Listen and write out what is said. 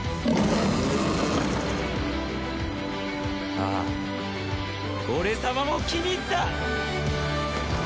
ああ俺様も気に入った！